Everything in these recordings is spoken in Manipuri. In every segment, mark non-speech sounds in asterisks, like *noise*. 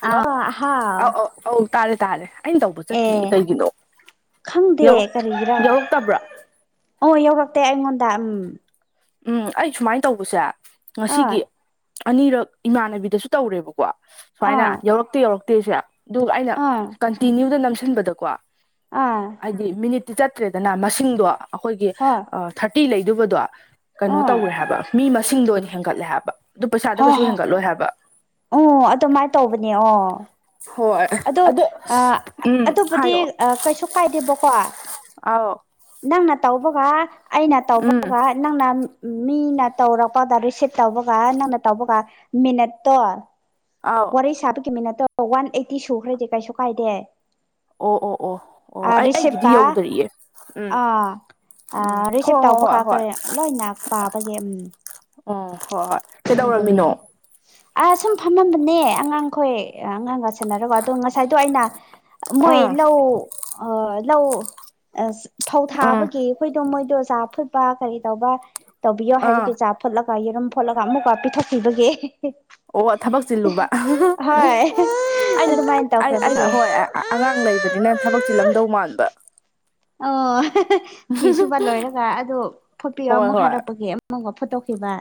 ꯍꯜꯂꯣ ꯑꯥ ꯑꯧ ꯍꯥꯎ ꯑꯧ ꯑꯧ ꯇꯥꯔꯦ ꯇꯥꯔꯦ ꯑꯩꯅ ꯇꯧꯕ ꯑꯦ ꯆꯠꯇꯤꯌꯦ ꯀꯩꯒꯤꯅꯣ ꯈꯪꯗꯦ ꯌꯧꯔꯛ ꯀꯔꯤꯒꯤꯔꯥ ꯌꯧꯔꯛꯇꯕ꯭ꯔꯥ ꯑꯣ ꯌꯧꯔꯛꯇꯦ ꯑꯩꯉꯣꯟꯗ ꯎꯝ ꯎꯝ ꯑꯩ ꯁꯨꯃꯥꯏꯅ ꯇꯧꯕꯁꯦ ꯑꯥ ꯉꯁꯤꯒꯤ ꯑꯅꯤꯔꯛ ꯏꯃꯥꯟꯅꯕꯤꯗꯁꯨ ꯇꯧꯔꯦꯕꯀꯣ ꯁꯨꯃꯥꯏꯅ ꯑꯥ ꯌꯧꯔꯛꯇꯦ ꯌꯧꯔꯛꯇꯦꯁꯦ ꯑꯗꯨꯒ ꯑꯩꯅ ꯑꯥ ꯀꯟꯇꯤꯅ꯭ꯌꯨꯗ ꯅꯝꯁꯤꯟꯕꯗꯀꯣ ꯑꯥ ꯍꯥꯏꯗꯤ ꯃꯤꯅꯤꯠ ꯇꯤ ꯆꯠꯇ꯭ꯔꯦꯗꯅ ꯃꯁꯤꯡꯗꯣ ꯑꯩꯈꯣꯏꯒꯤ ꯍꯣꯏ ꯊꯥꯔꯇꯤ ꯂꯩꯗꯨꯕꯗꯣ ꯀꯩꯅꯣ ꯎꯝ ꯇꯧꯔꯦ ꯍꯥꯏꯕ ꯃꯤ ꯃꯁꯤꯡꯗ ꯑꯣꯏꯅ ꯍꯦꯟꯒꯠꯂꯦ ꯍꯥꯏꯕ ꯑꯗꯨ ꯄꯩꯁꯥꯗ ꯍꯣ ꯀꯩꯁꯨ ꯍꯣ ꯍꯦꯟꯒꯠꯂꯣꯏ ꯍꯥꯏꯕ ꯑꯣ ꯑꯗꯨꯃꯥꯏꯅ ꯇꯧꯕꯅꯦ ꯑꯣ ꯍꯣꯏ ꯑꯗꯣ ꯎꯝ ꯑꯗꯨꯕꯨꯗꯤ ꯍꯥꯏꯑꯣ ꯀꯩꯁꯨ ꯀꯥꯏꯗꯦꯕꯀꯣ ꯑꯥꯎ ꯅꯪꯅ ꯇꯧꯕꯒ ꯑꯩꯅ ꯎꯝ ꯇꯧꯕꯒ ꯅꯪꯅ ꯃꯤꯅ ꯇꯧꯔꯛꯄꯗ ꯔꯤꯁꯤꯞ ꯇꯧꯕꯒ ꯅꯪꯅ ꯇꯧꯕꯒ ꯃꯤꯅꯠꯇꯣ ꯑꯥꯎ ꯋꯥꯔꯤ ꯁꯥꯕꯒꯤꯃꯤ ꯃꯤꯅꯠꯇꯣ ꯋꯥꯟ ꯑꯩꯠꯇꯤ ꯁꯨꯈ꯭ꯔꯗꯤꯦ ꯀꯩꯁꯨ ꯀꯥꯏꯗꯦ ꯑꯣ ꯑꯣ ꯑꯣ ꯑꯣ ꯑꯩ ꯑꯩꯒꯤꯗꯤ ꯔꯤꯁꯤꯞꯀ ꯌꯧꯗꯔꯤꯑꯦ ꯎꯝ ꯑꯥ ꯎꯝ ꯔꯤꯁꯤꯞ ꯍꯣꯏ ꯇꯧꯕ ꯍꯣꯏ ꯍꯣꯏ ꯀꯥꯟꯗ ꯍꯣꯏ ꯂꯣꯏꯅ ꯄꯥꯕꯒꯤ ꯎꯝ ꯑꯣ ꯍꯣꯏ ꯍꯣꯏ ꯀꯩꯗꯧꯔꯝꯃꯤꯅꯣ ꯑ ꯁꯨꯝ ꯐꯝꯃꯝꯕꯅꯦ ꯑꯉꯥꯡꯈꯣꯏ ꯑꯉꯥꯡꯒ ꯁꯅꯔꯒ ꯑꯗꯣ ꯉꯁꯥꯏꯗꯣ ꯑꯩꯅ ꯃꯣꯏ ꯑꯥ ꯂꯧ ꯑꯥ ꯂꯧ ꯑꯥ ꯐꯧ ꯑꯥ ꯊꯥꯕꯒꯤ ꯑꯩꯈꯣꯏꯗꯣ ꯃꯣꯏꯗꯣ ꯆꯥ ꯐꯨꯠꯕ ꯀꯔꯤ ꯇꯧꯕ ꯇꯧꯕꯤꯌꯣ ꯑꯥ ꯍꯥꯏꯕꯒꯤ ꯆꯥ ꯐꯣꯠꯂꯒ ꯌꯦꯔꯨꯝ ꯐꯣꯠꯂꯒ ꯑꯃꯨꯛꯀ ꯄꯤꯊꯣꯛꯄꯤꯕꯒꯤ ꯑꯣ ꯊꯕꯛ ꯆꯤꯜꯂꯨꯕ ꯍꯣꯏ ꯑꯩꯅ ꯑꯗꯨꯃꯥꯏꯅ ꯑꯩꯅ ꯇꯧꯈ꯭ꯔꯕꯒꯤ ꯍꯣꯏ ꯑꯉꯥꯡ ꯂꯩꯕꯅꯤꯅ ꯊꯕꯛ ꯆꯤꯜꯂꯝꯗꯧ ꯃꯥꯟꯕ ꯑꯣ ꯐꯤ ꯁꯨꯕ ꯂꯣꯏꯔꯒ ꯑꯗꯨ ꯐꯣꯠꯄꯤꯌꯣ ꯍꯣꯏ ꯑꯃꯨꯛ ꯍꯣꯏ ꯍꯥꯏꯔꯛꯄꯒꯤ ꯑꯃꯨꯛꯒ ꯐꯨꯠꯇꯣꯛꯄꯤꯕ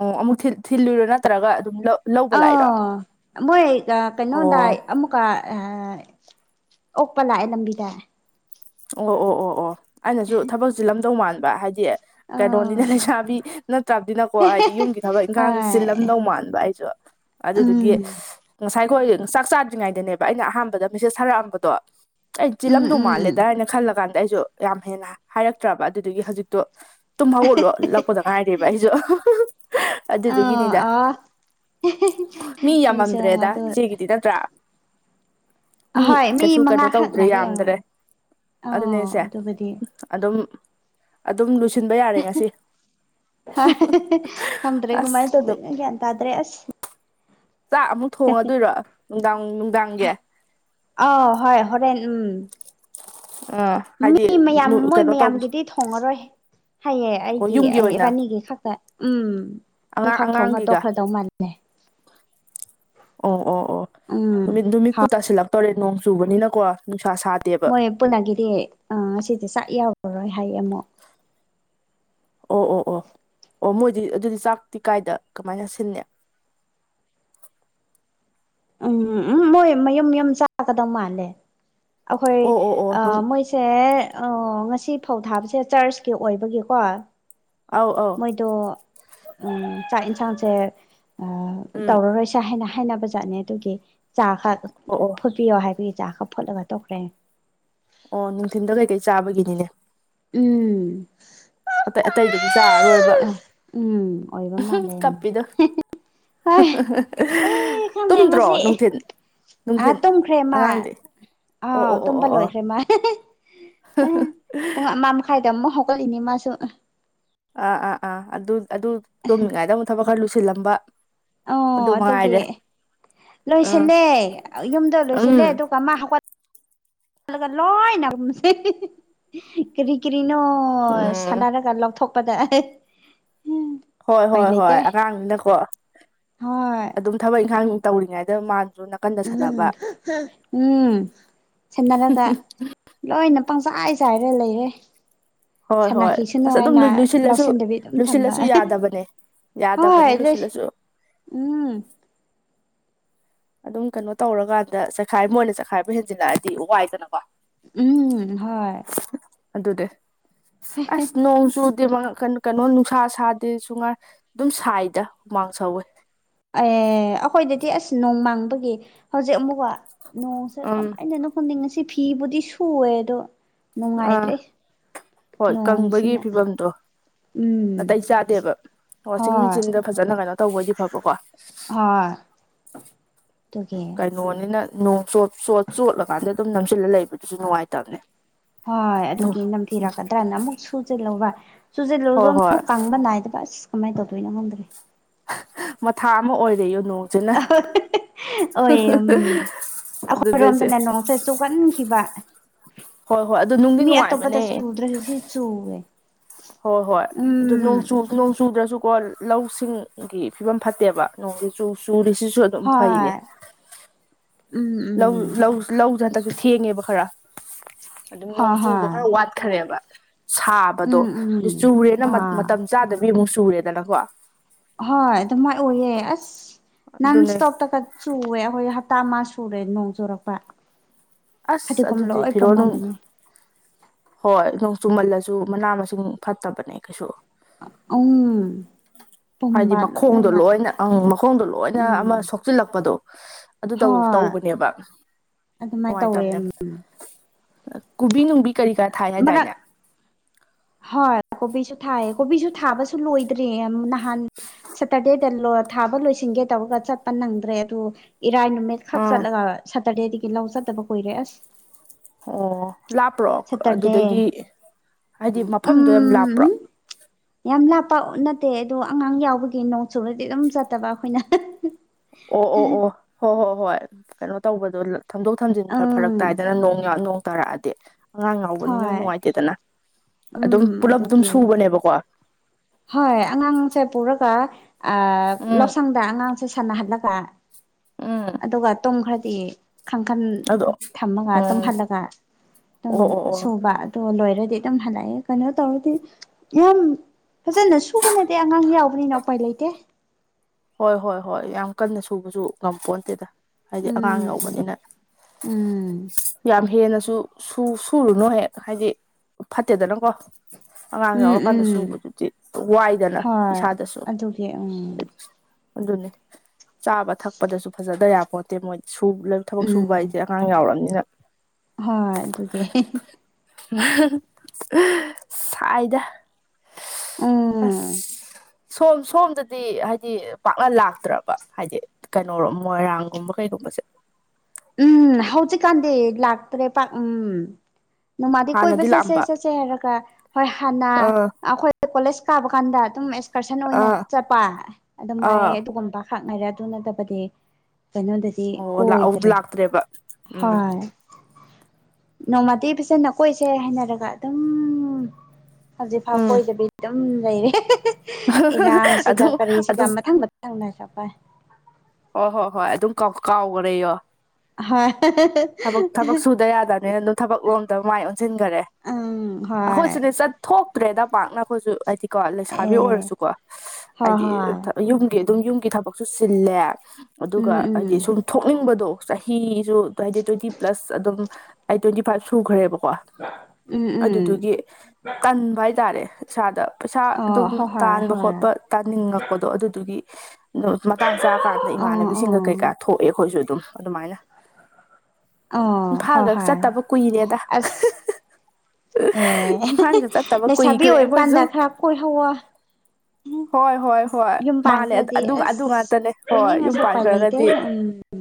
ꯑꯣ ꯑꯃꯨꯛ ꯊꯤꯜꯂꯨꯢꯔ ꯅꯠꯇ꯭ꯔꯒ ꯑꯗꯨꯝ ꯂꯧꯕ ꯂꯥꯛꯏꯔꯣ ꯑꯥ ꯃꯣꯏ ꯀꯩꯅꯣꯅ ꯑꯣ ꯑꯃꯨꯛ ꯑꯃꯨꯛꯒ ꯑꯣꯛꯄ ꯂꯥꯛꯑꯦ ꯂꯝꯕꯤꯗ ꯑꯣ ꯑꯣ ꯑꯣ ꯑꯣ ꯑꯩꯅꯁꯨ ꯊꯕꯛ ꯆꯤꯟꯂꯝꯗꯧ ꯃꯥꯟꯕ ꯍꯥꯏꯗꯤ ꯑꯥ ꯀꯩꯅꯣꯅꯤꯅ ꯂꯩꯁꯥꯕꯤ ꯅꯠꯇ꯭ꯔꯕꯅꯤꯅꯀꯣ ꯍꯥꯏꯗꯤ ꯌꯨꯝꯒꯤ ꯊꯕꯛ ꯏꯟꯈꯥꯡ ꯍꯣꯏ ꯆꯤꯜꯂꯝꯗꯧ ꯃꯥꯟꯕ ꯑꯩꯁꯨ ꯑꯗꯨꯗꯨꯒꯤ ꯎꯝ ꯉꯁꯥꯏꯈꯣꯏ ꯆꯥꯛ ꯆꯥꯗ꯭ꯔꯤꯉꯩꯗꯅꯦꯕ ꯑꯩꯅ ꯑꯍꯥꯟꯕꯗ ꯃꯤꯁꯦꯁ ꯊꯔꯛꯑꯝꯕꯗꯣ ꯑꯩ ꯎꯝ ꯆꯤꯜꯂꯝꯗꯧ ꯎꯝ ꯃꯥꯜꯂꯦꯗꯅ ꯈꯜꯂ ꯀꯥꯟꯗ ꯑꯩꯁꯨ ꯌꯥꯝ ꯍꯦꯟꯅ ꯍꯥꯏꯔꯛꯇ꯭ꯔꯕ ꯑꯗꯨꯗꯨꯒꯤ ꯍꯧꯖꯤꯛꯇꯣ ꯇꯨꯝ ꯍꯧꯒꯠꯂꯛꯄꯗ ꯉꯥꯢꯔꯤꯕ ꯑꯩꯁꯨ ꯑꯥ ꯑꯗꯨꯗꯨꯒꯤꯅꯤꯗ ꯑꯣ ꯃꯤ ꯌꯥꯝꯃꯝꯗ꯭ꯔꯦꯗ ꯑꯗꯨ ꯏꯆꯦꯒꯤꯗꯤ ꯅꯠꯇ꯭ꯔꯥ ꯃꯤ ꯍꯣꯏ ꯀꯩꯁꯨ ꯀꯩꯅꯣ ꯃꯉꯥꯈꯛ ꯇꯧꯗ꯭ꯔꯦ ꯉꯥꯏꯔꯦ ꯌꯥꯝꯗ꯭ꯔꯦ ꯑꯥꯎ ꯑꯗꯨꯅꯦ ꯍꯥꯢꯁꯦ ꯑꯗꯨꯕꯨꯗꯤ ꯑꯗꯨꯝ ꯑꯗꯨꯝ ꯂꯣꯢꯁꯤꯟꯕ ꯌꯥꯔꯦ ꯉꯁꯤ ꯍꯣꯢ ꯈꯪꯗ꯭ꯔꯦ ꯀꯃꯥꯏꯅ ꯑꯁ ꯇꯧꯗꯣꯏꯅꯣ ꯒ꯭ꯌꯥꯟ ꯇꯥꯗ꯭ꯔꯦ ꯑꯁ ꯆꯥꯛ ꯑꯃꯨꯛ ꯊꯣꯡꯉꯗꯣꯏꯔꯣ ꯅꯨꯡꯗꯥꯡ ꯅꯨꯡꯗꯥꯡꯒꯤ ꯑꯥ ꯍꯣꯏ ꯍꯔꯦꯟ ꯎꯝ ꯑꯥ ꯍꯥꯏꯗꯤ ꯃꯤ ꯃꯌꯥꯝ ꯃꯣꯏ ꯀꯩꯅꯣ ꯇꯧ ꯃꯌꯥꯝꯒꯤꯗꯤ ꯊꯣꯡꯉꯔꯣꯏ ꯍꯥꯏꯌꯦ ꯑꯣ ꯑꯩꯒꯤ ꯌꯨꯝꯒꯤ ꯑꯩ ꯑꯣꯏꯅ ꯏꯕꯥꯅꯤꯒꯤ ꯈꯛꯇ ꯎꯝ ꯑꯗꯨ ꯑꯉꯥꯡ ꯈꯛ ꯊꯣꯡꯉꯥ ꯑꯉꯥꯡꯒꯤꯒ ꯇꯣꯛꯈ꯭ꯔꯗꯧ ꯃꯥꯜꯂꯦ ꯍ *inaudible* ꯑꯣ ꯑꯣ ꯑꯣ ꯎꯝ ꯅꯨꯃꯤꯠ ꯍꯥꯎ ꯅꯨꯃꯤꯠꯄꯨ ꯇꯥꯁꯤꯜꯂꯛꯇꯧꯔꯦ ꯅꯣꯡ ꯆꯨꯕꯅꯤꯅꯀꯣ ꯅꯨꯡꯁꯥ ꯁꯥ ꯃꯣꯏ ꯄꯨꯟꯅꯒꯤꯗꯤ ꯉꯁꯤꯁꯦ ꯆꯥꯛ ꯌꯥꯎꯔꯔꯣꯏ ꯍꯥꯏꯌꯦ ꯑꯃꯨꯛ ꯑꯣ ꯑꯣ ꯑꯣ ꯑꯣ ꯃꯣꯏꯗꯤ ꯑꯗꯨꯗꯤ ꯆꯥꯛꯇꯤ ꯀꯥꯏꯗ ꯀꯃꯥꯏꯅ ꯁꯤꯜꯂꯦ ꯎꯝ ꯎꯝ ꯃꯣꯏ ꯃꯌꯨꯝ ꯌꯨꯝ ꯆꯥꯒꯗꯧ ꯃꯥꯜꯂꯦ ꯑꯩꯈꯣꯏ ꯑꯣ ꯑꯣ ꯑꯣ ꯑꯥ ꯃꯣꯏꯁꯤ ꯁꯦ ꯑꯥ ꯉꯁꯤ ꯐꯧ ꯊꯥꯕꯁꯦ ꯆꯔꯁꯀꯤ ꯑꯣꯏꯕꯒꯤꯀꯣ ꯑꯧ ꯑꯧ ꯃꯣꯏꯗꯣ ꯎꯝ ꯆꯥꯛ ꯏꯟꯁꯥꯡꯁꯦ ꯑꯥ ꯎꯝ ꯇꯧꯔꯔꯣꯏꯁꯦ ꯍꯥꯏꯅ ꯍꯥꯏꯅꯕꯖꯥꯠꯅꯦ ꯑꯗꯨꯒꯤ ꯆꯥ ꯈꯛ ꯑꯣ ꯑꯣ ꯐꯨꯠꯄꯤꯌꯣ ꯍꯥꯏꯕꯒꯤ ꯆꯥꯛ ꯈ ꯐꯨꯠꯂ ꯇꯣꯛꯈ꯭ꯔꯦ ꯑꯣ ꯅꯨꯡꯊꯤꯟꯗ ꯀꯩꯀꯩ ꯆꯥꯕꯒꯤꯅꯤꯅꯦ ꯎꯝ ꯑꯇꯩ ꯑꯇꯩꯗꯗꯤ ꯆꯥꯔꯔꯣꯏ ꯕ ꯎꯝ ꯑꯣꯏꯕ ꯃꯥꯜꯂꯦ ꯀꯞꯄꯤꯗꯣ ꯍꯣꯏ ꯑꯩ ꯈꯪꯗꯦ ꯇꯨꯝꯗ꯭ꯔꯣ ꯉꯁꯤ ꯅꯨꯡꯊꯤꯟ ꯑꯥ ꯅꯨꯡꯊꯤꯟ ꯇꯨꯝꯈ꯭ꯔꯦ ꯃꯥ ꯑꯉꯥꯡꯗꯤ ꯑꯣ ꯑꯥ ꯑꯣ ꯑꯣ ꯑꯣ ꯇꯨꯝꯕ ꯑꯣ ꯂꯣꯏꯈ꯭ꯔꯦ ꯃꯥ *unintelligible* ꯍꯥꯏꯗꯕ ꯑꯃ ꯍꯧꯒꯠꯂꯤꯅꯤ ꯃꯥꯁꯨ ꯑꯥ ꯑꯥ ꯑꯥ ꯑꯗꯨ ꯑꯗꯨ ꯇꯨꯝꯃꯤꯉꯥꯏꯗ ꯑꯃꯨꯛ ꯊꯕꯛ ꯈꯔ ꯂꯨꯁꯤꯜꯂꯝꯕ ꯑꯣ ꯑꯗꯨ ꯑꯗꯨꯒꯤ ꯃꯉꯥꯏꯔꯦ ꯎꯝ ꯂꯣꯏꯁꯤꯜꯂꯦ ꯌꯨꯝꯗꯣ ꯂꯣꯏꯁꯤꯜꯂꯦ ꯎꯝ ꯑꯗꯨ ꯄꯥꯃ ꯍꯧꯒꯠꯂꯒ ꯂꯣꯏꯅ ꯀꯔꯤ ꯀꯔꯤꯅꯣ ꯎꯝ ꯁꯥꯟꯅꯔꯒ ꯂꯧꯊꯣꯛꯄꯗ ꯎꯄꯥꯏ ꯍꯣꯏ ꯍꯣꯏ ꯍꯣꯏ ꯂꯩꯇꯦ ꯑꯉꯥꯡꯅꯤꯅꯀꯣ ꯍꯣꯏ ꯑꯗꯨꯝ ꯊꯕꯛ ꯏꯪꯈꯥꯡ ꯇꯧꯔꯤꯉꯩꯗ ꯃꯥ ꯎꯝ ꯎꯝ ꯁꯦꯟꯅꯔꯒ ꯂꯣꯏꯅ ꯄꯪꯆꯥꯏ ꯆꯥꯏꯔꯦ ꯂꯩꯔꯦ ꯍꯣꯏ ꯍꯣꯏ ꯁꯅꯥꯈꯤꯁꯅꯨ ꯑꯁ ꯑꯗꯨꯝ ꯍꯥꯏꯅ ꯂꯣꯏꯁꯤꯜꯂꯁꯨ ꯂꯧꯁꯤꯟꯗꯕꯤ ꯑꯗꯨꯝ ꯊꯝꯕ ꯂꯣꯏꯁꯤꯜꯂꯁꯨ ꯌꯥꯗꯕꯅꯦ ꯍꯣꯏ ꯌꯥꯗꯕꯅꯦ ꯂꯣꯏ ꯂꯣꯏꯁꯤꯜꯂꯁꯨ ꯎꯝ ꯑꯗꯨꯝ ꯀꯩꯅꯣ ꯇꯧꯔꯀꯥꯟꯗ ꯆꯈꯥꯏ ꯃꯣꯏꯅ ꯆꯈꯥꯏꯕ ꯍꯦꯟꯖꯤꯜꯂꯛꯑꯗꯤ ꯋꯥꯏꯗꯅꯀꯣ ꯎꯝ ꯍꯣꯏ ꯑꯗꯨꯗꯤ ꯑꯁ ꯅꯣꯡꯖꯨ ꯀꯩꯅꯣ ꯅꯨꯡꯁꯥ ꯁꯥꯗꯦꯁꯨ ꯉꯥꯏ ꯑꯗꯨꯝ ꯁꯥꯏꯗ ꯍꯨꯃꯥꯡ ꯁꯧꯋꯦ ꯑꯦ ꯑꯩꯈꯣꯏꯗꯗꯤ ꯑꯁ ꯅꯣꯡ ꯃꯪꯖꯒꯤ ꯍꯧꯖꯤꯛ ꯑꯃꯨꯛꯀ ꯅꯣꯡꯁꯦ ꯎꯝ ꯀꯃꯥꯏꯅꯅꯣ ꯈꯪꯗꯦ ꯉꯁꯤ ꯐꯤꯕꯨꯗꯤ ꯁꯨꯑꯦ ꯑꯗꯣ ꯑꯥ ꯅꯨꯡꯉꯥꯏꯇ꯭ꯔꯦ ꯍꯣꯏ ꯀꯪꯕꯒꯤ ꯅꯣꯡꯁꯤꯅ ꯐꯤꯕꯝꯗꯣ ꯎꯝ ꯅꯥꯇꯩ ꯆꯥꯗꯦꯕ ꯋꯥꯁꯤꯡ ꯍꯣꯏ ꯃꯦꯆꯤꯟꯗ ꯐꯖꯅ ꯀꯩꯅꯣ ꯇꯧꯕꯣꯏꯗꯤ ꯐꯕꯀꯣ ꯍꯣꯏ ꯑꯗꯨꯒꯤ ꯅꯣꯟꯅꯤꯅ ꯅꯣꯡ ꯆꯣꯠ ꯆꯣꯠ ꯆꯣꯠꯂꯀꯥꯟꯗ ꯑꯗꯨꯝ ꯅꯝꯁꯤꯜꯂ ꯂꯩꯕꯗꯨꯁꯨ ꯅꯨꯡꯉꯥꯏ ꯍꯣꯏ ꯑꯗꯨꯒꯤ ꯅꯝꯊꯤꯔꯛꯀꯗ꯭ꯔꯥꯅ ꯑꯃꯨꯛ ꯁꯨꯖꯤꯜꯂꯨꯕ ꯁꯨꯖꯤꯜꯂꯨꯁꯨ ꯍꯣꯏ ꯍꯣꯏ ꯑꯃꯨꯛ ꯀꯪꯕ ꯅꯥꯏꯗꯕ ꯑꯁ ꯀꯃꯥꯏ ꯇꯧꯗꯣꯏꯅꯣ ꯈꯪꯗ꯭ꯔꯦ ꯃꯊꯥ ꯑꯃ ꯑꯣꯏꯔꯦꯌꯣ ꯅꯣꯡ *unintelligible* ꯑꯗꯨꯗꯁꯦ ꯑꯈꯣꯏꯔꯣꯝꯗꯅ ꯅꯣꯡꯁꯦ ꯆꯨꯒꯟꯈꯤꯕ ꯍꯣꯏ ꯍꯣꯏ ꯑꯗꯨ ꯅꯨꯡꯗꯤ ꯃꯤ ꯑꯇꯣꯞꯄꯗ ꯅꯨꯡꯉꯥꯏꯕꯅꯦ ꯆꯨꯗ꯭ꯔꯁꯨ ꯁꯤ ꯆꯨꯋꯦ ꯍꯣꯏ ꯍꯣꯏ ꯑꯗꯨ ꯎꯝ ꯅꯣꯡꯆꯨ ꯅꯣꯡꯆꯨꯗꯔꯥꯁꯨꯀꯣ ꯂꯧꯁꯤꯡꯒꯤ ꯐꯤꯕꯝ ꯐꯠꯇꯦꯕ ꯅꯣꯡꯒꯤ ꯆꯨ ꯆꯨꯔꯤꯁꯤꯁꯨ ꯑꯗꯨꯝ ꯐꯩꯅꯦ ꯍꯣꯏ ꯎꯝ ꯂꯧ ꯎꯝ ꯂꯧ ꯂꯧꯁꯦ ꯍꯟꯗꯛꯇꯤ ꯊꯦꯡꯉꯦꯕ ꯈꯔ ꯑꯗꯨꯝ ꯅꯣꯡ ꯍꯣꯏ ꯆꯨꯕ ꯍꯣꯏ ꯈꯔ ꯋꯥꯠ ꯈ꯭ꯔꯦꯕ ꯁꯥꯕꯗꯣ ꯎꯝ ꯑꯗꯨ ꯎꯝ ꯆꯨꯔꯦꯅ ꯃ ꯑꯥ ꯃꯇꯝ ꯆꯥꯗꯕꯤ ꯑꯃꯨꯛ ꯆꯨꯔꯦꯗꯅꯀꯣ ꯍꯣꯏ ꯑꯗꯨꯃꯥꯏ ꯑꯣꯏꯌꯦ ꯑꯁ ꯅꯟ ꯑꯗꯨꯅꯦ ꯏꯁꯇꯣꯞꯇꯒꯥ ꯆꯨꯨꯋꯦ ꯑꯩꯈꯣꯏ ꯍꯞꯇꯥ ꯑꯃ ꯁꯨꯔꯦ ꯅꯣꯡ ꯆꯨꯔꯛꯄ ꯑꯁ ꯐꯗꯤꯒꯣꯝ ꯑꯗꯨꯗꯤ ꯂꯣꯏ ꯐꯤꯔꯣꯜ ꯅꯨꯡ ꯄꯨꯝꯃꯝꯃꯅꯤ ꯍꯣꯏ ꯅꯣꯡ ꯆꯨꯝꯃꯜꯂꯁꯨ ꯃꯅꯥ ꯃꯁꯤꯡ ꯐꯠꯇꯕꯅꯦ ꯀꯩꯁꯨ *unintelligible* ꯍꯥꯏꯗꯤ ꯄꯨꯝꯕ ꯂꯣꯏ ꯃꯈꯣꯡꯗꯣ ꯂꯣꯏꯅ ꯑꯥ ꯃꯈꯣꯡꯗꯣ ꯂꯣꯏꯅ ꯑꯃ ꯎꯝ ꯁꯣꯛꯆꯤꯟꯂꯛꯄꯗꯣ ꯑꯗꯨ ꯇꯧ ꯍꯣꯏ ꯇꯧꯕꯅꯦꯕ ꯑꯗꯨꯃꯥꯏꯅ ꯇꯧꯋꯦ ꯅꯨꯡꯉꯥꯏꯇꯝꯅꯦ ꯀꯨꯕꯤ ꯅꯨꯡꯕꯤ ꯀꯔꯤ ꯀꯠ ꯑꯃꯔꯛ ꯍꯣꯏ ꯀꯣꯕꯤꯁꯨ ꯊꯥꯏꯌꯦ ꯀꯣꯕꯤꯁꯨ ꯊꯥꯕꯁꯨ ꯂꯣꯏꯗ꯭ꯔꯤ ꯅꯍꯥꯟ ꯁꯇꯔꯗꯦꯗ ꯂꯣ ꯊꯥꯕ ꯂꯣꯏꯁꯤꯟꯒꯦ ꯇꯧꯔꯒ ꯆꯠꯄ ꯅꯪꯗ꯭ꯔꯦ ꯑꯗꯨ ꯏꯔꯥꯏ ꯅꯨꯃꯤꯠ ꯈꯛ ꯑꯥ ꯆꯠꯂꯒ ꯁꯇꯔꯗꯦꯗꯒꯤ ꯂꯧ ꯆꯠꯇꯕ ꯀꯨꯏꯔꯦ ꯑꯁ ꯑꯣ ꯂꯥꯞꯄ꯭ꯔꯣ ꯁꯇꯔꯗꯦ ꯑꯗꯨꯗꯒꯤ ꯍꯥꯏꯗꯤ ꯃꯐꯝꯗꯣ ꯌꯥꯝ ꯎꯝ ꯂꯥꯞꯄ꯭ꯔꯣ ꯌꯥꯝ ꯂꯥꯞꯄ ꯅꯠꯇꯦ ꯑꯗꯨ ꯑꯉꯥꯡ ꯌꯥꯎꯕꯒꯤ ꯅꯣꯡ ꯆꯨꯔꯗꯤ ꯑꯗꯨꯝ ꯆꯠꯇꯕ ꯑꯩꯈꯣꯏꯅ ꯑꯣ ꯑꯣ ꯑꯣ ꯍꯣ ꯍꯣ ꯍꯣꯏ ꯀꯩꯅꯣ ꯇꯧꯕꯗꯣ ꯊꯝꯗꯣꯛ ꯊꯝꯖꯤꯟ ꯐꯔꯛ ꯎꯝ ꯇꯥꯏꯗꯅ ꯅꯣꯡ ꯅꯣꯡ ꯇꯥꯔꯛꯑꯗꯤ ꯑꯉꯥꯡ ꯌꯥꯎꯕꯅꯤꯅ ꯍꯣꯏ ꯅꯨꯡꯉꯥꯏꯇꯦꯗꯅ ꯑꯗꯨꯝ ꯎꯝ ꯄꯨꯂꯞ ꯑꯗꯨꯝ ꯑꯗꯨꯒꯤ ꯁꯨꯕꯅꯦꯕꯀꯣ ꯍꯣꯏ ꯑꯉꯥꯡꯁꯦ ꯄꯨꯔꯒ ꯑ ꯎꯝ ꯂꯧꯁꯪꯗ ꯑꯉꯥꯡꯁꯦ ꯁꯥꯟꯅꯍꯜꯂꯒ ꯎꯝ ꯑꯗꯨꯒ ꯇꯨꯝꯈ꯭ꯔꯗꯤ ꯀꯥꯡꯈꯟ ꯑꯗꯣ ꯊꯝꯃꯒ ꯎꯝ ꯇꯨꯝꯍꯟꯂꯒ ꯑꯗꯨꯝ ꯑꯣ ꯑꯣ ꯑꯣ ꯁꯨꯕ ꯇꯨ ꯂꯣꯏꯔꯗꯤ ꯑꯗꯨꯝ ꯍꯜꯂꯛꯑꯦ ꯀꯩꯅꯣ ꯇꯧꯔꯗꯤ ꯌꯥꯝ ꯐꯖꯅ ꯁꯨꯕ ꯅꯠꯇꯦ ꯑꯉꯥꯡ ꯌꯥꯎꯕꯅꯤꯅ ꯎꯄꯥꯏ ꯂꯩꯇꯦ ꯍꯣꯏ ꯍꯣꯏ ꯍꯣꯏ ꯌꯥꯝ ꯀꯟꯅ ꯁꯨꯕꯁꯨ ꯉꯝꯄꯣꯟꯇꯦꯗ ꯍꯥꯏꯗꯤ ꯑꯉꯥꯡ ꯎꯝ ꯌꯥꯎꯕꯅꯤꯅ ꯎꯝ ꯌꯥꯝ ꯍꯦꯟꯅꯁꯨ ꯁꯨ ꯁꯨꯔꯨꯅꯨ ꯍꯦꯛ ꯍꯥꯏꯗꯤ ꯐꯠꯇꯦꯗꯅꯀꯣ ꯑꯉꯥꯡ ꯎꯝ ꯌꯥꯎꯔꯀꯥꯟꯗ ꯎꯝ ꯁꯨꯕꯗꯨꯗꯤ ꯋꯥꯏꯗꯅ ꯍꯣꯏ ꯏꯁꯥꯗꯁꯨ ꯑꯗꯨꯒꯤ ꯎꯝ ꯑꯗꯨꯅꯤ ꯆꯥꯕ ꯊꯛꯄꯗꯁꯨ ꯐꯖꯗ ꯌꯥꯄꯣꯠꯇꯦ ꯃꯣꯏ ꯁꯨ ꯊꯕꯛ ꯁꯨꯕ ꯎꯝ ꯍꯥꯏꯖꯦ ꯑꯉꯥꯡ ꯌꯥꯎꯔꯝꯅꯤꯅ ꯍꯣꯏ ꯑꯗꯨꯒꯤ ꯁꯥꯏꯗ ꯑꯁ ꯎꯝ ꯁꯣꯝ ꯁꯣꯝꯗꯗꯤ ꯍꯥꯏ ꯍꯥꯏꯗꯤ ꯄꯥꯛꯅ ꯂꯥꯛꯇ꯭ꯔꯕ ꯍꯥꯏꯗꯤ ꯀꯩꯅꯣ ꯃꯣꯏꯔꯥꯡꯒꯨꯝꯕ ꯀꯩꯒꯨꯝꯕꯁꯦ ꯎꯝ ꯍꯧꯖꯤꯛꯀꯥꯟꯗꯤ ꯂꯥꯛꯇ꯭ꯔꯦ ꯄꯥꯛ ꯎꯝ ꯅꯣꯡꯃꯗꯤ ꯀꯣꯏꯕ ꯍꯥꯟꯅꯗꯤ ꯆꯠꯁꯦ ꯂꯥꯛꯑꯝꯕ ꯆꯠꯁꯦ ꯍꯥꯏꯔꯒ ꯍꯣꯏ ꯍꯥꯟꯅ ꯑꯥ ꯑꯩꯈꯣꯏ ꯀꯣꯂꯦꯖ ꯀꯥꯕ ꯀꯥꯟꯗ ꯑꯗꯨꯝ ꯑꯦꯛꯁꯀꯔꯁꯟ ꯑꯣꯏꯅ ꯑꯥ ꯆꯠꯄ ꯑꯗꯨꯃꯥꯏ ꯑꯥ ꯑꯗꯨꯒꯨꯝꯕ ꯈꯥꯛꯅꯩꯔꯦ ꯑꯗꯨ ꯅꯠꯇꯕꯗꯤ ꯀꯩꯅꯣꯗꯗꯤ ꯀꯣꯏꯗ꯭ꯔꯦ ꯇ꯭ꯔꯦꯕ ꯍꯣꯏ ꯅꯣꯡꯃꯗꯤ ꯐꯖꯅ ꯀꯣꯏꯁꯦ ꯍꯥꯏꯅꯔꯒ ꯑꯗꯨꯝ ꯍꯧꯖꯤꯛꯐꯥꯎ ꯎꯝ ꯀꯣꯏꯗꯕꯤ ꯑꯗꯨꯝ ꯂꯩꯔꯦ ꯏꯔꯥꯡꯁꯤꯒ ꯑꯗꯨꯝ ꯀꯔꯤꯁꯤꯒ ꯑꯗꯨꯝ ꯃꯊꯪ ꯅꯪꯅ ꯆꯄꯥꯏ ꯍꯣꯏ ꯍꯣ ꯍꯣꯏ ꯑꯗꯨꯝ ꯀꯥꯎ ꯀꯥꯎꯒ꯭ꯔꯦꯌꯣ ꯍꯣꯏ ꯊꯕꯛ ꯊꯕꯛ ꯁꯨꯗ ꯌꯥꯗꯕꯅꯤꯅ ꯑꯗꯨꯝ ꯊꯕꯛ ꯂꯣꯝꯗ ꯃꯥꯏ ꯑꯣꯟꯁꯤꯟꯒꯔꯦ ꯎꯝ ꯍꯣꯏ ꯑꯩꯈꯣꯏꯁꯨꯅꯦ ꯆꯠ ꯊꯣꯛꯇ꯭ꯔꯦꯗ ꯄꯥꯛꯅ ꯑꯩꯈꯣꯏꯁꯨ ꯍꯥꯏꯗꯤꯀꯣ ꯂꯩꯁꯥꯕꯤ ꯑꯦ ꯑꯣꯏꯔꯁꯨꯀꯣ ꯍꯥꯏꯗꯤ ꯑ ꯊ ꯌꯨꯝ ꯒꯤ ꯑꯗꯨꯝ ꯌꯨꯝꯒꯤ ꯊꯕꯛꯁꯨ ꯆꯤꯜꯂꯦ ꯑꯗꯨꯒ ꯍꯥꯏꯗꯤ ꯁꯨꯝ ꯊꯣꯛꯅꯤꯡꯕꯗꯣ ꯆꯍꯤꯖꯨ ꯗꯣ ꯍꯥꯏꯗꯤ ꯇ꯭ꯋꯦꯟꯇꯤ ꯄ꯭ꯂꯁ ꯑꯗꯨꯝ ꯑꯩ ꯇ꯭ꯋꯦꯟꯇꯤ ꯐꯥꯏꯚ ꯁꯨꯈ꯭ꯔꯦꯕꯀꯣ ꯑꯗꯨꯗꯨꯒꯤ ꯇꯟꯕ ꯍꯥꯏꯇꯥꯔꯦ ꯏꯁꯥꯗ ꯄꯩꯁꯥ ꯑꯗꯨꯝ ꯇꯥꯟꯕ ꯈꯣꯠꯄ ꯇꯥꯅꯤꯡꯉꯛꯄꯗꯣ ꯑꯗꯨꯗꯨꯒꯤ ꯗꯣ ꯃꯇꯥꯡ ꯆꯥꯀꯥꯟ ꯑꯗ ꯏꯃꯥꯟꯅꯕꯤꯁꯤꯡꯒ ꯀꯩꯀꯥ ꯊꯣꯛꯑꯦ ꯑꯩꯈꯣꯏꯁꯨ ꯑꯗꯨꯝ ꯑꯗꯨꯃꯥꯏꯅ ꯏꯝꯐꯥꯜꯗ ꯆꯠꯇꯕ ꯀꯨꯏꯔꯦꯗ ꯑꯍꯥ ꯍꯥ ꯑꯁ ꯍꯥ ꯑꯦ ꯏꯝꯐꯥꯜꯗ ꯆꯠꯇꯕ ꯂꯩꯁꯥꯕꯤ ꯀꯨꯏꯈ꯭ꯔꯦ ꯑꯩꯈꯣꯏꯁꯨ ꯑꯣꯏꯕꯀꯥꯟꯗ ꯈꯔ ꯀꯣꯏꯍꯧꯋꯣ ꯍꯣꯏ ꯍꯣꯏ ꯍꯣꯏ ꯌꯨꯝ ꯃꯥꯅꯦ ꯄꯥꯟꯈ꯭ꯔꯗꯤ ꯑꯗꯨ ꯑꯗꯨ ꯑꯁ ꯉꯥꯛꯇꯅꯦ ꯍꯣꯏ ꯌꯨꯝ ꯀꯣꯏꯅꯤꯡꯉꯁꯨ ꯎꯄꯥꯏ ꯂꯩꯇꯦ ꯄꯥꯟꯈ꯭ꯔꯒꯗꯤ ꯎꯝ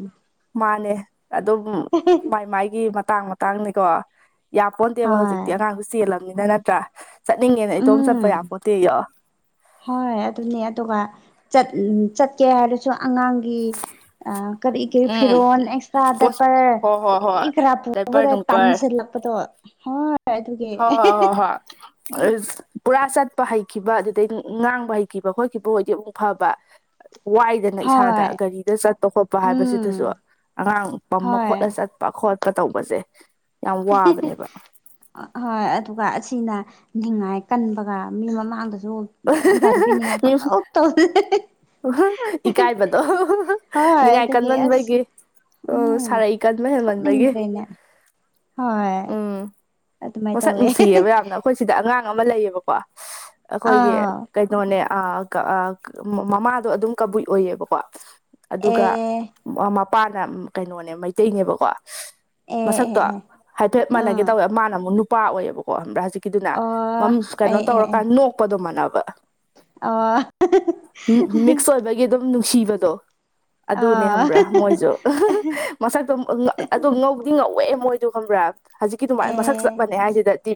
ꯃꯥꯅꯦ ꯑꯗꯨꯝ ꯑꯍꯦ ꯍꯦ ꯃꯥꯏ ꯃꯥꯏꯒꯤ ꯃꯇꯥꯡ ꯃꯇꯥꯡꯅꯤꯀꯣ ꯌꯥꯝ ꯄꯣꯟꯇꯦꯕ ꯍꯣꯏ ꯍꯧꯖꯤꯛꯇꯤ ꯑꯉꯥꯡꯁꯨ ꯆꯦꯜꯂꯝꯅꯤꯅ ꯅꯠꯇ꯭ꯔꯥ ꯆꯠꯅꯤꯡꯉꯦꯅ ꯏꯇꯣꯝ ꯆꯠꯄ ꯎꯝ ꯌꯥꯄꯣꯟꯇꯦꯌꯣ ꯍꯣꯏ ꯑꯗꯨꯅꯤ ꯑꯗꯨꯒ ꯆꯠ ꯆꯠꯀꯦ ꯍꯥꯏꯔ ꯁꯨ ꯑꯉꯥꯡꯒꯤ ꯑꯥ ꯀꯔꯤ ꯀꯔꯤ ꯎꯝ ꯐꯤꯔꯣꯜ ꯑꯦꯛꯁꯇ꯭ꯔꯥ ꯄꯣꯁ ꯗꯥꯏꯄꯔ ꯍꯣꯏ ꯍꯣꯏ ꯍꯣꯏ ꯀꯔꯤ ꯀꯔꯥ ꯗꯥꯏꯄꯔ ꯄꯨꯕꯗ ꯅꯨꯡꯄꯔ ꯇꯥꯟꯁꯜꯂꯛꯄꯗꯣ ꯍꯥ ꯍꯣꯏ ꯍꯣꯏ ꯍꯣꯏ ꯍꯣꯏ ꯍꯩꯁ ꯄꯨꯔꯥ ꯆꯠꯄ ꯍꯩꯈꯤꯕ ꯑꯗꯨꯗꯩ ꯉꯥꯡꯕ ꯍꯩꯈꯤꯕ ꯈꯣꯠꯈꯤꯕꯑꯣꯏꯗꯤ ꯑꯃꯨꯛ ꯐꯕ ꯋꯥꯏꯗ ꯅ ꯏꯁꯥꯗ ꯍꯣꯏ ꯒꯥꯔꯤꯗ ꯆꯠꯄ ꯈꯣꯠꯄ ꯍꯥꯏꯕꯁꯤꯗꯁꯨ ꯎꯝ ꯑꯉꯥꯡ ꯄꯝꯃ ꯍꯣꯏ ꯈꯣꯠꯂ ꯆꯠ ꯄ ꯈꯣꯠꯄ ꯇꯧꯕꯁꯦ ꯌꯥꯝ ꯋꯥꯕꯅꯦꯕ ꯑꯥ ꯍꯣꯏ ꯑꯗꯨꯒ ꯑꯁꯤꯅ ꯅꯤꯡꯉꯥꯏ ꯀꯟꯕꯒ ꯃꯤ ꯃꯃꯥꯡꯗꯁꯨ ꯒ꯭ꯌꯥꯟ ꯃꯦꯟ ꯇꯥꯗꯕꯤ ꯅꯤꯡꯉꯥꯏ ꯄꯪꯇꯧ ꯇꯧꯗꯣꯏꯅꯦ ꯍꯦ ꯍꯦ ꯑꯍꯥ ꯏꯀꯥꯏꯕꯗꯣ ꯍꯣ ꯍꯣ ꯍꯣ ꯍꯣꯏ ꯅꯤꯡꯉꯥꯏ ꯑꯗꯨꯒꯤ ꯑꯁ ꯀꯟꯃꯟꯕꯒꯤ ꯑꯣ ꯎꯝ ꯁꯔꯩ ꯀꯟꯕ ꯍꯦꯃꯟꯕꯒꯤ ꯊꯣꯛꯅꯤꯡꯗ꯭ꯔꯦꯅꯦ ꯍꯣꯏ ꯑꯗꯨꯃꯥꯏꯅ ꯃꯁꯛ ꯇꯧꯋꯦ ꯅꯨꯡꯁꯤꯌꯦꯕ ꯌꯥꯝꯅ ꯑꯩꯈꯣꯏꯁꯤꯗ ꯑꯉꯥꯡ ꯑꯃ ꯂꯩꯌꯦꯕꯀꯣ ꯑꯩꯈꯣꯏꯒꯤ ꯑꯥ ꯀꯩꯅꯣꯅꯦ ꯑꯥ ꯀꯥ ꯃꯃꯥꯗꯣ ꯑꯗꯨꯝ ꯀꯕꯨꯏ ꯑꯣꯏꯌꯦꯕꯀꯣ ꯑꯗꯨꯒ ꯑꯦ ꯃꯥ ꯃꯄꯥꯅ ꯀꯩꯅꯣꯅꯦ ꯃꯩꯇꯩꯅꯦꯕꯀꯣ ꯑꯦ ꯑꯦ ꯃꯁꯛꯇꯣ ꯑꯦ ꯍꯥꯏꯐꯦꯠ ꯃꯥꯟꯅꯒꯦ ꯑꯥ ꯇꯧꯋꯦꯕ ꯃꯥꯅ ꯑꯃꯨꯛ ꯅꯨꯄꯥ ꯑꯣꯏꯌꯦꯕꯀꯣ ꯈꯪꯕ꯭ꯔꯥ ꯍꯧꯖꯤꯛ ꯒꯤꯗꯨꯅ ꯑꯣ ꯃꯝ ꯀꯩꯅꯣ ꯑꯦ ꯑꯦ ꯑꯦ ꯇꯧꯔꯀꯥꯟ ꯅꯣꯛꯄꯗꯣ ꯃꯥꯟꯅꯕ ꯑꯣ ꯃꯤ ꯃꯤꯛꯁ ꯑꯣꯏꯕꯒꯤ ꯑꯗꯨꯝ ꯅꯨꯡꯁꯤꯕꯗꯣ ꯑꯗꯨꯅꯦ ꯑꯥ ꯈꯪꯕ꯭ꯔꯥ ꯃꯣꯏꯖꯨ ꯑꯍꯥ ꯍꯥ ꯃꯁꯛꯇꯣ ꯎꯝ ꯑꯥ ꯉꯥ ꯑꯗꯨ ꯉꯧꯕ ꯊꯤ ꯉꯧꯋꯦ ꯃꯣꯏꯗꯣ ꯈꯪꯕ꯭ꯔꯥ ꯍꯧꯖꯤꯛꯀꯤ ꯑꯦ ꯑꯗꯨꯃꯥꯏꯅ ꯃꯁꯛ ꯆꯞ ꯃꯥꯟꯅꯩ ꯍꯥꯏꯁꯤꯗꯗꯤ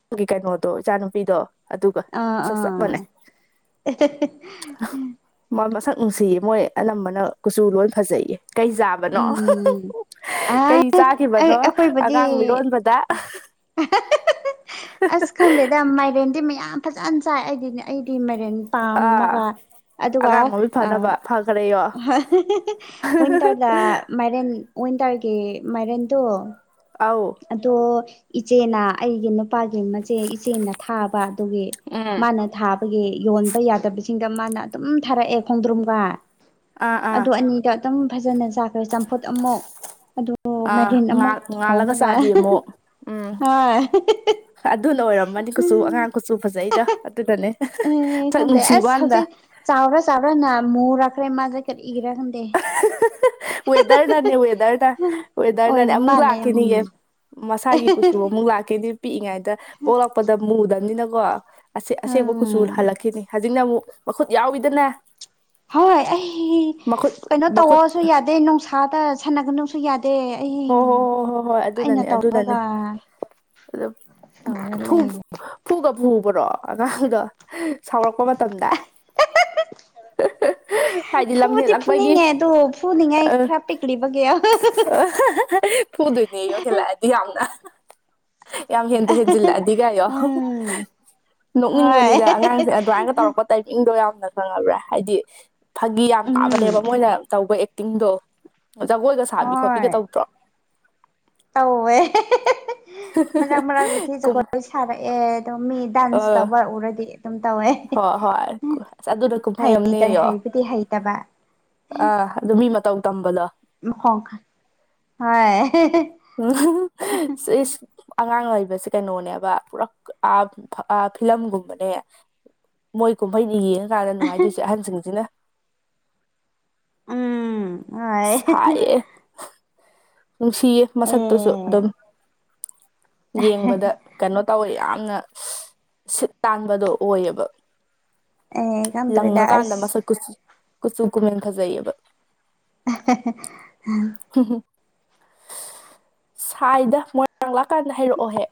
ꯑꯗꯨꯒꯤ ꯀꯩꯅꯣꯗꯣ ꯏꯆꯥ ꯅꯨꯨꯄꯤꯗꯣ ꯑꯗꯨꯒ ꯑꯥ ꯃꯁꯛ ꯆꯞ ꯑꯥ ꯃꯥꯟꯅꯩ ꯃꯥ ꯃꯁꯛ ꯅꯨꯡꯁꯤꯌꯦ ꯃꯣꯏ ꯑꯅꯝꯕꯅ ꯀꯨꯆꯨ ꯂꯣꯏ ꯐꯖꯩꯌꯦ ꯀꯩ ꯆꯥꯕꯅꯣ ꯑꯍꯥ ꯍꯥ ꯎꯝ ꯍꯥ ꯑꯩ ꯀꯩ ꯆꯥꯈꯤꯕꯅꯣ ꯑꯉꯥꯡ ꯃꯤꯔꯣꯟꯕꯗ ꯑꯍꯥ ꯍꯥ ꯍꯥ ꯍꯥ ꯑꯁ ꯈꯪꯗꯦꯗ ꯃꯥꯏꯔꯦꯟꯗꯤ ꯃꯌꯥꯝ ꯐꯖꯅ ꯆꯥꯏ ꯑꯩꯗꯤꯅꯦ ꯑꯩꯗꯤ ꯃꯥꯏꯔꯦꯟ ꯄꯥꯝꯃꯒ ꯑꯥ ꯑꯗꯨꯒ ꯑꯉꯥꯡ ꯃꯃꯤꯠ ꯑꯥ ꯐꯅꯕ ꯐꯈ꯭ꯔꯦꯌꯣ ꯍꯥ ꯍꯥ ꯍꯥ ꯍꯥ ꯃꯣꯏꯅ ꯋꯤꯟꯇꯔꯗ ꯃꯥꯏꯔꯦꯟ ꯋꯤꯟꯇꯔꯒꯤ ꯃꯥꯏꯔꯦꯟꯗꯣ ꯑꯥꯎ ꯑꯗꯣ ꯏꯆꯦꯅ ꯑꯩꯒꯤ ꯅꯨꯄꯥꯒꯤ ꯃꯆꯦ ꯏꯆꯦꯅ ꯊꯥꯕ ꯑꯗꯨꯒꯤ ꯎꯝ ꯃꯥꯅ ꯊꯥꯕꯒꯤ ꯌꯣꯟꯕ ꯌꯥꯗꯕꯁꯤꯡꯗ ꯃꯥꯅ ꯑꯗꯨꯝ ꯊꯥꯔꯛꯑꯦ ꯈꯣꯡꯗ꯭ꯔꯨꯝꯒ ꯑꯥ ꯑꯥ ꯑꯗꯨ ꯑꯅꯤꯗ ꯑꯗꯨꯝ ꯐꯖꯅ ꯆꯥꯈ꯭ꯔꯦ ꯆꯝꯐꯨꯠ ꯑꯃꯨꯛ ꯑꯗꯨ ꯑꯥ ꯃꯥꯏꯔꯦꯟ ꯑꯃꯨꯛ ꯉꯥꯜ ꯉꯥꯜꯂꯒ ꯊꯣꯡꯉꯒ ꯆꯥꯕꯤ ꯑꯃꯨꯛ ꯎꯝ ꯍꯣꯏ *unintelligible* *unintelligible* ꯑꯗꯨꯅ ꯑꯣꯏꯔꯝꯃꯅꯤ ꯀꯨꯆꯨ ꯑꯉꯥꯡ ꯀꯨꯆꯨ ꯐꯖꯩꯗ ꯑꯗꯨꯗꯅꯦ ꯁꯛ ꯅꯨꯡꯁꯤꯕꯥꯋꯥꯟꯗ ꯆꯥꯎꯔꯥ ꯆꯥꯎꯔꯥ ꯅ ꯃꯨꯔꯛꯈ꯭ꯔꯦ ꯃꯥꯖꯦ ꯀꯔꯤꯒꯤꯔ ꯈꯪꯗꯦ *unintelligible* ꯋꯦꯗꯔꯅꯅꯦ ꯋꯦꯗꯔꯅ ꯋꯦꯗꯔꯅꯅꯦ ꯑꯣꯏꯕ ꯑꯃꯨꯛ ꯃꯥꯜꯂꯦ ꯎꯝ ꯂꯥꯛꯈꯤꯅꯤꯌꯦ ꯃꯁꯥꯒꯤ ꯀꯨꯆꯨ ꯑꯃꯨꯛ ꯂꯥꯛꯈꯤꯅꯤ ꯄꯤꯛꯏꯉꯥꯏꯗ ꯄꯣꯛꯂꯛꯄꯗ ꯃꯨꯗꯕꯅꯤꯅꯀꯣ ꯑꯁꯦꯡ ꯑꯁꯦꯡꯕ ꯀꯨꯆꯨ ꯎꯝ ꯍꯜꯂꯛꯈꯤꯅꯤ ꯍꯧꯖꯤꯛꯅ ꯑꯃꯨꯛ ꯃꯈꯨꯠ ꯌꯥꯎꯋꯤꯗꯅ ꯍꯣꯏ ꯑꯩ ꯃꯈꯨꯠ *unintelligible* ꯀꯩꯅꯣ ꯃꯈꯨꯠ ꯇꯧꯔꯁꯨ ꯌꯥꯗꯦ ꯅꯨꯡꯁꯥꯗ ꯁꯥꯟꯅꯒꯅꯁꯨ ꯌꯥꯗꯦ ꯑꯩ ꯍꯣꯏ ꯍꯣꯏ ꯍꯣꯏ ꯍꯣꯏ ꯍꯣꯏ ꯑꯩꯅ ꯇꯧꯔꯒ ꯃ ꯇꯧꯔ ꯐꯨ ꯂꯩꯔꯦ *inaudible* ꯐꯨꯒ ꯐꯨꯕꯔꯣ ꯑꯉꯥꯡꯗꯣ ꯁꯥꯎꯔꯛꯄ ꯃꯇꯝꯗ ꯍꯔ *inaudible* ꯍꯥꯏꯗꯤ ꯂꯝ ꯐꯨꯕꯗꯤ ꯍꯦꯜꯂꯛꯄꯒꯤ ꯐꯨꯅꯤꯡꯉꯦ ꯑꯗꯨ ꯐꯨꯅꯤꯡꯉꯥꯏ ꯑ ꯈꯔ ꯄꯤꯛꯂꯤꯕꯒꯤ *unintelligible* *unintelligible* ꯐꯨꯗꯣꯏꯅꯦꯌꯣ ꯍꯦꯜꯂꯛꯑꯗꯤ ꯌꯥꯝꯅ ꯌꯥꯝ ꯍꯦꯟꯗ ꯍꯦꯟꯖꯤꯜꯂꯛꯑꯗꯤꯒꯌꯣ ꯍꯣꯏ ꯅꯣꯛꯅꯤꯡꯕꯅꯤꯗ ꯑꯉꯥꯡꯁꯦ ꯑꯗꯨꯃꯥꯏꯒ ꯇꯧꯔꯛꯄ ꯇꯥꯏꯃꯤꯡꯗꯣ ꯌꯥꯝꯅ ꯈꯪꯉꯕ꯭ꯔꯥ ꯍꯥꯏꯗꯤ ꯐꯥꯒꯤ ꯌꯥꯝ ꯎꯝ ꯇꯥꯕꯅꯦꯕ ꯃꯣꯏꯅ ꯇꯧꯕ ꯑꯦꯛꯇꯤꯡꯗꯣ ꯖꯒꯣꯏꯒ ꯁꯥꯕꯤ ꯈꯣꯠꯄꯤꯒ ꯍꯣꯏ ꯇꯧ ꯇꯧꯋꯦ *unintelligible* ꯃꯔꯛ ꯃꯔꯛꯗ ꯊꯤ ꯖꯒꯣꯏ ꯁꯥꯔꯛꯑꯦ ꯑꯗꯣ ꯃꯤ ꯑ ꯗꯥꯟꯁ ꯇꯧꯕ ꯎꯔꯗꯤ ꯑꯗꯨꯝ ꯇꯧꯋꯦ ꯍꯣꯏ ꯍꯣꯏ ꯑꯁ ꯑꯗꯨꯅ *unintelligible* ꯀꯨꯝꯍꯩ ꯍꯩꯇ ꯑꯃꯅꯦꯌꯣ ꯍꯩꯕꯨꯗꯤ ꯍꯩꯇꯕ ꯑꯥ ꯑꯗꯨ ꯃꯤ ꯃꯇꯧ ꯇꯝꯕꯗꯣ ꯃꯈꯣꯡ ꯍꯥꯏ *unintelligible* ꯎꯝ ꯁꯤꯁ *inaudible* ꯑꯉꯥꯡ ꯂꯩꯕꯕꯁꯤ ꯀꯩꯅꯣꯅꯦꯕ ꯄꯨꯔꯛ ꯑ ꯑ ꯐꯤꯂꯝꯒꯨꯝꯕꯅꯦ ꯃꯣꯏ ꯀꯨꯝꯍꯩꯩꯅ ꯌꯦꯡꯉꯀꯥꯟꯗ ꯅꯨꯡꯉꯥꯏꯗꯣꯏꯁꯦ ꯑꯍꯟꯁꯤꯡꯁꯤꯅ ꯎꯝ ꯑꯥꯏ *unintelligible* ꯁꯥꯏꯌꯦ ꯅꯨꯡꯁꯤꯌꯦ ꯑꯦ ꯃꯁꯛꯇꯨꯁꯨ ꯑꯗꯨꯝ ꯌꯦꯡꯕꯗ ꯀꯩꯅꯣ ꯇꯧꯋꯦ ꯌꯥꯝꯅ ꯁꯤꯠ ꯇꯥꯟꯕꯗꯣ ꯑꯣꯏꯌꯦꯕ ꯑꯦ ꯈꯪꯗ꯭ꯔꯦꯗ ꯂꯪꯉꯀꯥꯟꯗ ꯑꯁ ꯃꯁꯛ ꯀ ꯀꯨꯆꯨ ꯀꯨꯃꯦꯟ ꯐꯖꯩꯌꯦꯕ *unintelligible* ꯎꯝ ꯎꯝ ꯁꯥꯏꯗ ꯃꯣꯏꯔꯥꯡ ꯂꯥꯛꯀꯥꯟꯗ ꯍꯩꯔꯛꯑꯣꯍꯦ